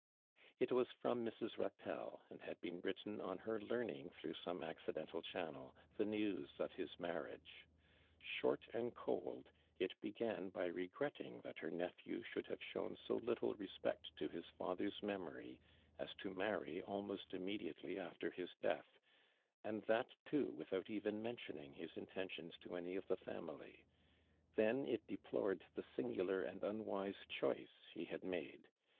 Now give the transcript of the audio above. It was from Mrs. Eatelle, and had been written on her learning tlirough some acci dental channel the news of his marriage. Short and cold, it began by regretting that ker nephew shuiikl have shown so little respect to his fath' r's memory as to marry almost immedia' \' after his death, and that too without cv. n jnontioning his inten tions to any of the family ; then it deplored the singular and unwise choice ho had made.